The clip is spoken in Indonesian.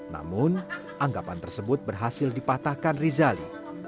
namun anggapan tersebut berhasil dipatahkan rizali